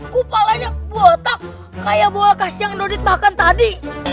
kupalanya botak kayak bola kas yang nudit makan tadi